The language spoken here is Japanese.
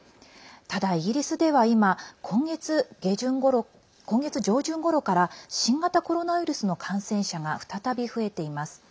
ただ、イギリスでは今今月上旬ごろから新型コロナウイルスの感染者が再び増えています。